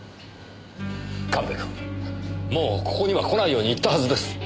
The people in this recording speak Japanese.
神戸君もうここには来ないように言ったはずです！